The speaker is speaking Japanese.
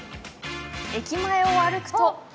駅前を歩くと。